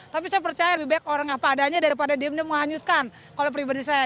tapi saya percaya lebih baik orang apa adanya daripada dia menghanyutkan kalau pribadi saya